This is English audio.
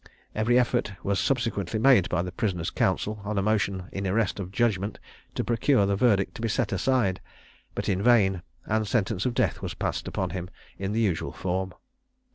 Every effort was subsequently made by the prisoner's counsel, on a motion in arrest of judgment, to procure the verdict to be set aside, but in vain, and sentence of death was passed upon him in the usual form.